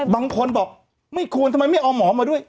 บางคนบอกไม่ควรทำไมไม่เอาหมอมาด้วย